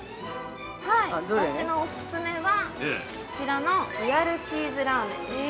◆私のオススメは、こちらのリアルチーズラーメンです。